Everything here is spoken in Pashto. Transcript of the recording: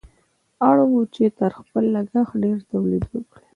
اړ وو چې تر خپل لګښت ډېر تولید وکړي.